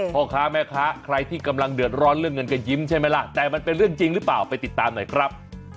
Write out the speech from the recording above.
พ่อค้าแม่ค้าใครที่กำลังเดือดร้อนเรื่องเงินก็ยิ้มใช่ไหมล่ะแต่มันเป็นเรื่องจริงหรือเปล่าไปติดตามหน่อยครับ